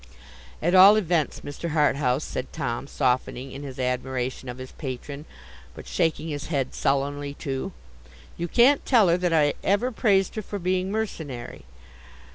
'At all events, Mr. Harthouse,' said Tom, softening in his admiration of his patron, but shaking his head sullenly too, 'you can't tell her that I ever praised her for being mercenary.